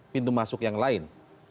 pintu masuk yang lain